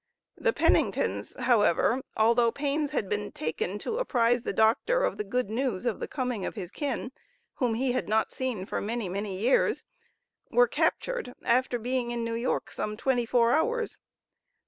The Penningtons, however, although pains had been taken to apprize the Doctor of the good news of the coming of his kin, whom he had not seen for many, many years, were captured after being in New York some twenty four hours.